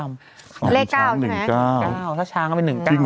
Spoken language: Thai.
เป็นการกระตุ้นการไหลเวียนของเลือด